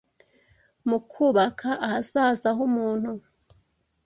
mu kubaka ahazaza h’umuntu.